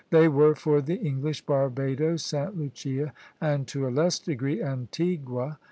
They were for the English, Barbadoes, Sta. Lucia, and to a less degree Antigua.